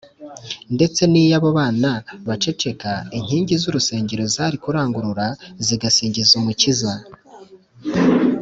ndetse n’iyo abo bana baceceka, inkingi z’urusengero zari kurangurura zigasingiza umukiza